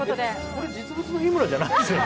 これ、実物の日村じゃないですよね？